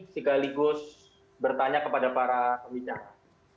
sekaligus bertanya kepada para pembicara